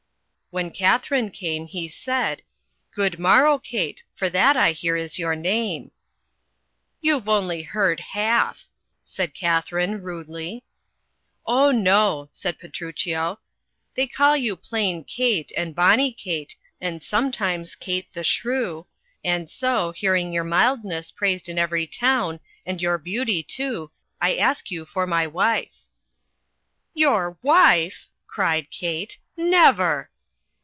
When Katharine came, he said, "Good morrow, Kate — hr that, I hear, is vour name.'* ^You've only heard half," said Katharine, rudely. ^Oh, no," said Petruchio, "they call you plain Kate, and bonny Kate, and sometimes Kate the shrew, and so, hearing your mild ness praised in every town, and your beauty too, I ask you for my wife." "Your wife!" cried Kate. "Never!"